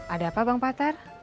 ada apa bang patar